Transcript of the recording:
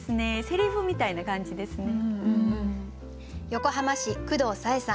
セリフみたいな感じですね。